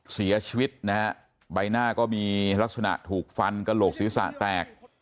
เสียชีวิตนะฮะใบหน้าก็มีลักษณะถูกฟันกระโหลกศีรษะแตก